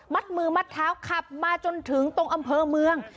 มือมัดเท้าขับมาจนถึงตรงอำเภอเมือง